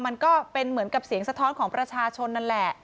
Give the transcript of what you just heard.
มันก็เป็นเหมือนกับเสียงสะท้อนของประชาชนนั่นแหละ